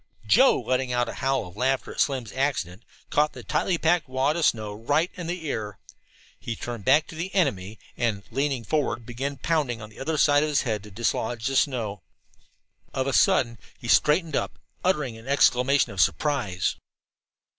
Joe, letting out a howl of laughter at Slim's accident, caught the tightly packed wad of snow right in the ear. He turned his back to the "enemy," and, leaning forward, began pounding the other side of his head to dislodge the snow. Of a sudden he straightened up, uttering an exclamation of surprise.